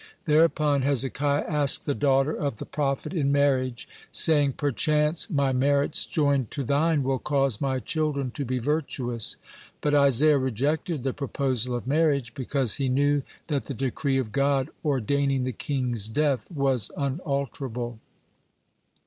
Thereupon Hezekiah asked the daughter of the prophet in marriage, saying: "Perchance my merits joined to thine will cause my children to be virtuous." But Isaiah rejected the proposal of marriage, because he knew that the decree of God ordaining the king's death was unalterable.